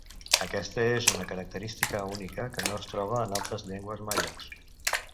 Aquesta és una característica única que no es troba en altres llengües maies.